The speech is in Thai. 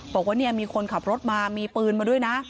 บอกว่าเนี่ยมีคนขับรถมามีปืนมาด้วยนะ